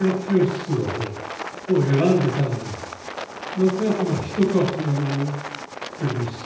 何となくまあ人とはつながってるし。